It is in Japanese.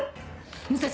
武蔵！